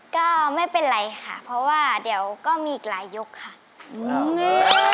ก็ไม่เป็นไรค่ะเพราะว่าเดี๋ยวก็มีอีกหลายยกค่ะอืม